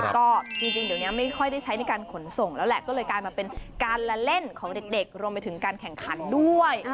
ก็จริงเดี๋ยวนี้ไม่ค่อยได้ใช้ในการขนส่งแล้วแหละก็เลยกลายมาเป็นการละเล่นของเด็กรวมไปถึงการแข่งขันด้วย